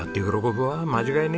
間違いねえ。